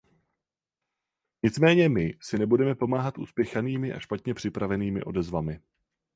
Nicméně my si nebudeme pomáhat uspěchanými a špatně připravenými odezvami.